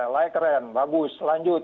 layak keren bagus lanjut